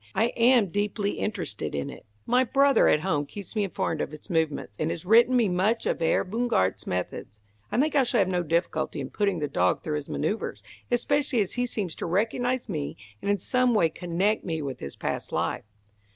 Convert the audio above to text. "I am deeply interested in it. My brother at home keeps me informed of its movements, and has written me much of Herr Bungartz's methods. I think I shall have no difficulty in putting the dog through his manoeuvres, especially as he seems to recognise me and in some way connect me with his past life."